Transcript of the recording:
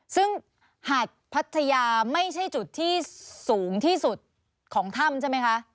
ซึ่งหาดพัทยาไม่ใช่จุดที่สูงที่สุดของถ้ำใช่ไหมคะ